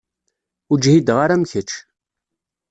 Ur ǧhideɣ ara am kečč.